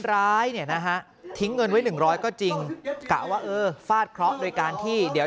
ร้ายเนี่ยนะฮะทิ้งเงินไว้๑๐๐ก็จริงฝาดเพราะโดยการที่เดี๋ยว